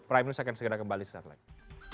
prime news akan segera kembali setelah itu